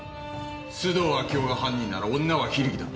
須藤明代が犯人なら女は非力だ。